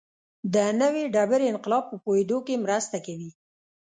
د نوې ډبرې انقلاب په پوهېدو کې مرسته کوي.